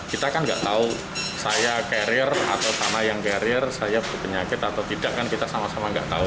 kita kan nggak tahu saya karier atau tanah yang karier saya penyakit atau tidak kita sama sama nggak tahu